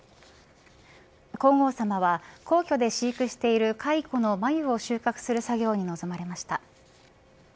皇后さまは皇居で飼育している蚕の繭を収穫する作業に臨まれました。